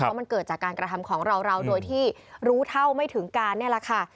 เพราะมันเกิดจากการกระทำของเราโดยที่รู้เท่าไม่ถึงการนี่แหละค่ะ